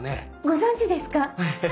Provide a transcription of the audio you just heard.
ご存じですか？